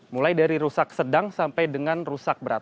mulai dari rusak sedang sampai dengan rusak berat